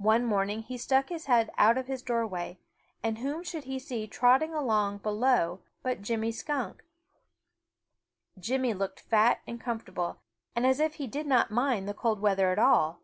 One morning he stuck his head out of his doorway, and whom should he see trotting along below but Jimmy Skunk. Jimmy looked fat and comfortable and as if he did not mind the cold weather at all.